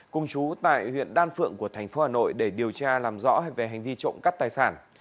cùng chú tại huyện đan phượng của thành phố hà nội để điều tra làm rõ về hành vi trộm cắp tài sản